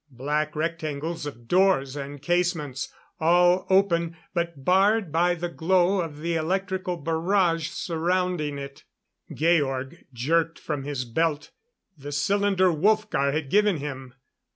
Black rectangles of doors and casements, all open but barred by the glow of the electrical barrage surrounding it. Georg jerked from his belt the cylinder Wolfgar had given him.